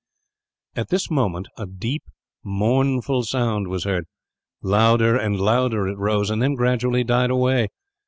At this moment a deep, mournful sound was heard. Louder and louder it rose, and then gradually died away.